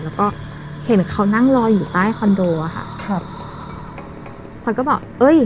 แล้วก็เห็นเขานั่งรออยู่ใต้คอนโดอ่ะค่ะครับขวัญก็บอกเอ้ย